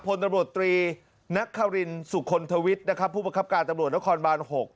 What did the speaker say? พลตำรวจตรีนักคารินสุคลทวิทย์นะครับผู้ประคับการตำรวจนครบาน๖